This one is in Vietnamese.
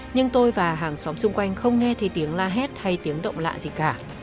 nhưng tôi và hàng xóm xung quanh không nghe thấy tiếng la hét hay tiếng động lạ gì cả